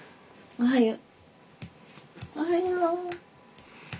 おはよう。